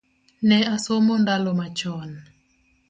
Ne asomo ndalo machon